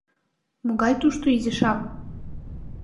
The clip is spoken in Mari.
Могай тушто изишак?